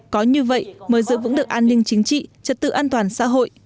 có như vậy mới giữ vững được an ninh chính trị trật tự an toàn xã hội